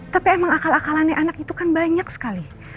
tapi emang akal akalannya anak itu kan banyak sekali